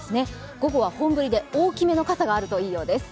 午後は本降りで大きめの傘があるといいようです。